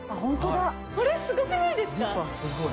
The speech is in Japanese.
これすごくないですか？